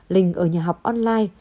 linh ở nhà học online